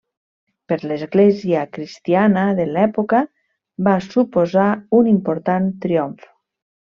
Per l'església cristiana de l'època va suposar un important triomf.